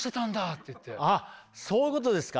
そういうことですか。